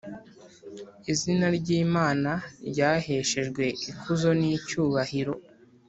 izina ry’imana ryaheshejwe ikuzo n’icyubahiro,